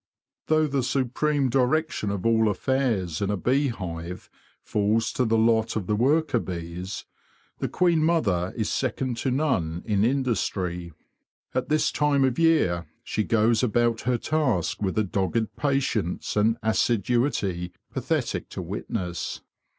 Though the supreme direction of all affairs in a 168 THE BEE MASTER OF WARRILOW bee hive falls to the lot of the worker bees, the queen mother is second to none in industry. At this time of year she goes about her task with a dogged patience and assiduity pathetic to witness.